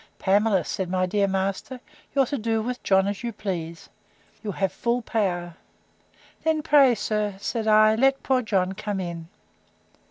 Pamela, said my dear master, you're to do with John as you please. You have full power. Then pray, sir, said I, let poor John come in.